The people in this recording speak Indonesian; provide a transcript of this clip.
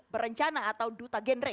berencana atau duta genre